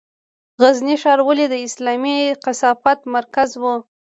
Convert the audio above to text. غزني ښار ولې د اسلامي ثقافت مرکز و؟